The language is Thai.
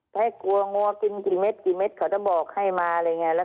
ถ้ากลัวงัวกินกี่เม็ดกี่เม็ดเขาจะบอกให้มาอะไรอย่างนี้